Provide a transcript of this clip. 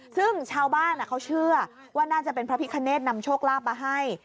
ซึ่งชาวบ้านเขาเชื่อว่าน่าจะเป็นพระพิคเนธนำโชคลาภมาให้